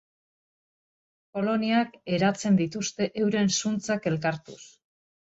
Koloniak eratzen dituzte euren zuntzak elkartuz.